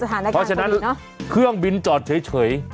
สถานการณ์โควิดเนอะเพราะฉะนั้นเครื่องบินจอดเฉย